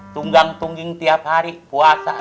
tunggang tungging tiap hari puasa